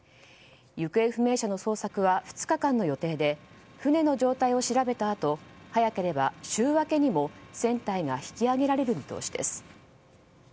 行方不明者の捜索は２日間の予定で船の状態を調べたあと早ければ週明けにも船体が引き揚げられる見通しです。